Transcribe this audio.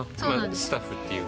スタッフっていうか。